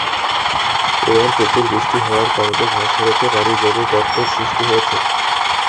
এবার প্রচুর বৃষ্টি হওয়ার কারণে মহাসড়কে পানি জমে গর্তের সৃষ্টি হয়েছে।